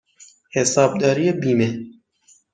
حسابداری بیمه